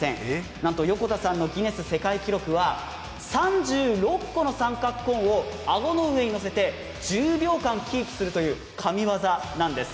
なんと横田さんのギネス世界記録は３６個の三角コーンを顎の上に乗せて１０秒間キープするという神業なんです。